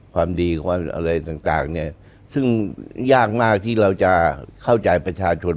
ความดีความอะไรต่างเนี่ยซึ่งยากมากที่เราจะเข้าใจประชาชน